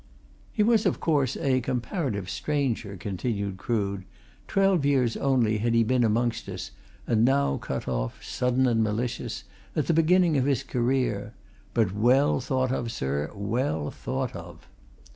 "He was, of course, a comparative stranger," continued Crood. "Twelve years only had he been amongst us and now cut off, sudden and malicious, at the beginning of his career! But well thought of, sir, well thought of!"